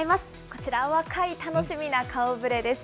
こちら、若い、楽しみな顔ぶれです。